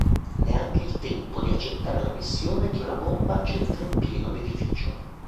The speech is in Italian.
Neanche il tempo di accettare la missione che una bomba centra in pieno l'edificio.